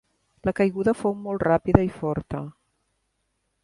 La caiguda fou molt ràpida i forta.